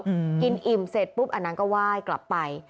กินอิ่มเสร็จปุ๊บอันนั้นก็ไหว้กลับไป